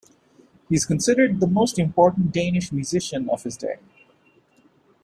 He is considered the most important Danish musician of his day.